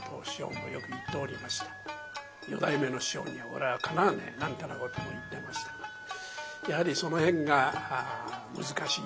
「四代目の師匠に俺はかなわねえ」なんてなことも言ってましたがやはりその辺が難しいですね。